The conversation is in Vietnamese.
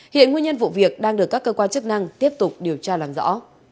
hiện nguyên nhân vụ việc đang được các cơ quan chức năng tiếp tục điều tra làm rõ